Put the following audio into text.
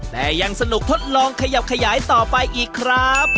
แต่ยังสนุกทดลองขยับขยายต่อไปอีกครับ